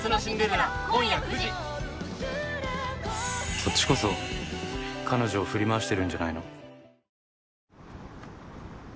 「そっちこそ彼女を振り回してるんじゃないの？」